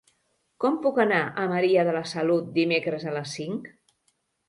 Com puc anar a Maria de la Salut dimecres a les cinc?